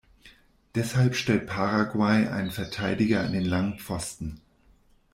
Deshalb stellt Paraguay einen Verteidiger an den langen Pfosten.